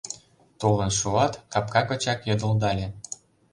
Толын шуат, капка гычак йодылдале: